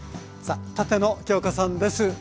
さあ舘野鏡子さんです。